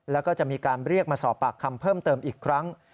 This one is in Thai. แล้วก็จะมีการเรียกมาสอบปากคำเพิ่มเติมอีกครั้ง